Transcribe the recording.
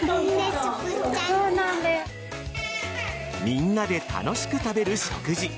みんなで楽しく食べる食事。